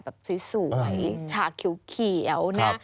แบบสวยฉากเขียวนะ